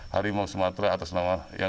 harimau sumatra atas nama yang dikawinkan